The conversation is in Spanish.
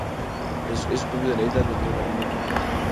Es propio de la isla de Nueva Guinea.